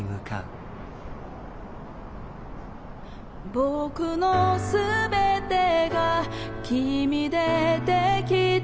「僕の全てが君でできてた」